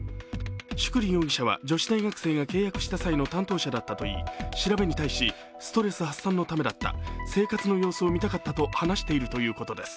宿利容疑者は女子大学生が契約した際の担当者だったといい調べに対し、ストレス発散のためだった、生活の様子を見たかったと話しているということです。